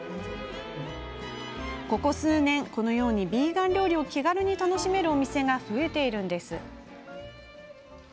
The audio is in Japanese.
ここ数年、このようにビーガン料理を気軽に楽しめるお店が増えているんです。